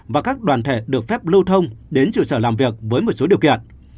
và các đoàn thể được phép lưu thông đến chủ trở làm việc với một số điều kiện